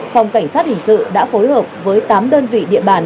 phòng cảnh sát hình sự đã phối hợp với tám đơn vị địa bàn